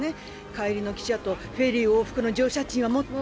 帰りの汽車とフェリー往復の乗車賃は持った？